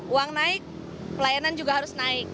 uang naik pelayanan juga harus naik